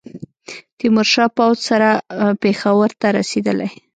تېمورشاه پوځ سره پېښور ته رسېدلی.